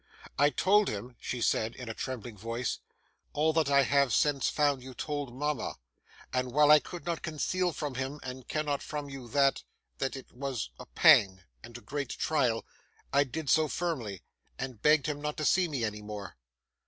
'I told him,' she said, in a trembling voice, 'all that I have since found you told mama; and while I could not conceal from him, and cannot from you, that that it was a pang and a great trial, I did so firmly, and begged him not to see me any more.